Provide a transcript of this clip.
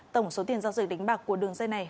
tổng số tiền giao dịch đánh bạc của đường dây này